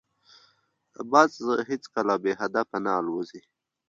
باز هیڅکله بې هدفه نه الوزي